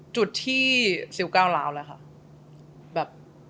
จุดที่ซิลก้าวล้าวแล้วค่ะแบบ